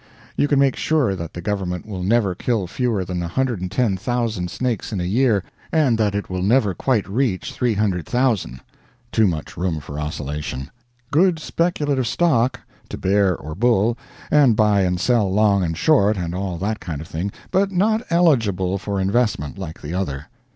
You can make sure that the government will never kill fewer than 110,000 snakes in a year, and that it will newer quite reach 300,000 too much room for oscillation; good speculative stock, to bear or bull, and buy and sell long and short, and all that kind of thing, but not eligible for investment like the other.